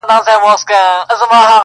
سترګي به ړندې د جهالت د جادوګرو کړي!